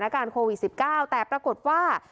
การโควิด๑๙แต่ปรากฏว่า